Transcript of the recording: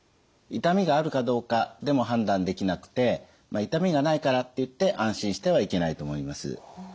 痛みがあるかどうかでも判断できなくて痛みがないからっていって安心してはいけないと思います。